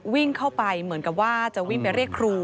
วิ่งเข้าไปเหมือนกับว่าจะวิ่งไปเรียกครู